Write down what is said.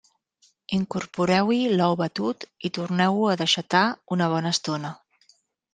Incorporeu-hi l'ou batut i torneu-ho a deixatar una bona estona.